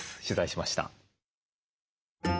取材しました。